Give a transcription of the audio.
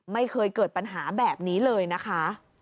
ไม่เคยเกิดปัญหาแบบนี้เลยนะคะ